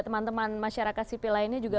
teman teman masyarakat sipil lainnya juga